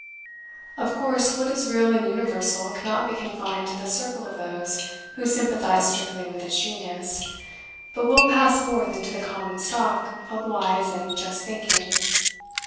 Of course, what is real and universal cannot be confined to the circle of those who sympathize strictly with his genius, but will pass forth into the common stock of wise and just thinking.